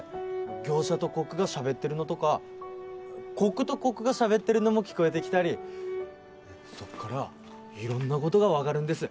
業者とコックがしゃべってるのとかコックとコックがしゃべってるのも聞こえてきたりそっから色んなことが分かるんです